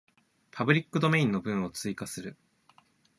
パブリックドメインの文を追加する